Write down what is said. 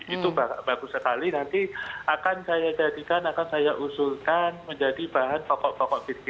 itu bagus sekali nanti akan saya jadikan akan saya usulkan menjadi bahan pokok pokok